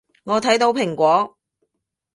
我睇到蘋果